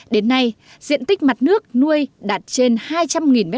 đến nay diện tích mặt nước nuôi đạt trên hai trăm linh m hai